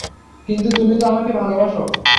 কিন্তু তুমি তো আমাকে ভালোবাসো।